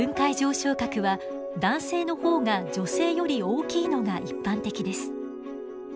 床核は男性の方が女性より大きいのが一般的です。